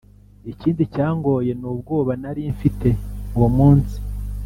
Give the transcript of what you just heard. ikindi cyangoye ni ubwoba nari mfite uwo munsi